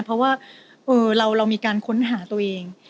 เพราะว่าเรามีการค้นหาตัวเอง